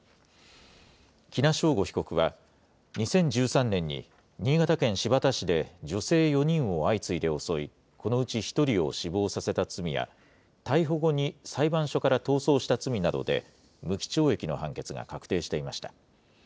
喜納尚吾被告は、２０１３年に、新潟県新発田市で女性４人を相次いで襲い、このうち１人を死亡させた罪や、逮捕後に裁判所から逃走した罪などで、無期懲役の判決が確定していました。